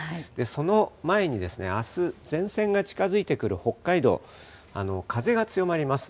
その前に、あす、前線が近づいてくる北海道、風が強まります。